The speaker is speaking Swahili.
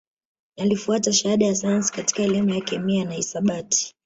Alifuata Shahada ya Sayansi katika Elimu ya Kemia na Hisabati